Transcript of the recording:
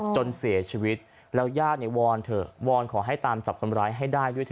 จนเสียชีวิตแล้วญาติเนี่ยวอนเถอะวอนขอให้ตามจับคนร้ายให้ได้ด้วยเ